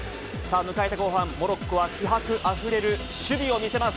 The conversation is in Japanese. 迎えた後半、モロッコは気迫あふれる守備を見せます。